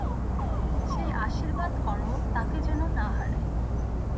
সেই আশীর্বাদ করো, তাঁকে যেন না হারাই।